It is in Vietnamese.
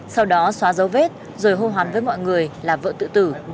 sau đó xóa dấu vết rồi hô hoán với mọi người là vợ tự tử